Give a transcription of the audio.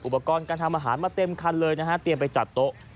อุปกรณ์การทำอาหารมาเต็มคันเลยนะฮะเตรียมไปจัดโต๊ะ